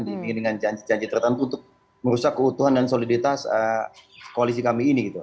diimbingin dengan janji janji tertentu untuk merusak keutuhan dan soliditas koalisi kami ini gitu